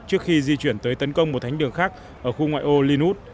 trước khi di chuyển tới tấn công một thánh đường khác ở khu ngoại ô linwood